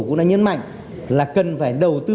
cũng đã nhấn mạnh là cần phải đầu tư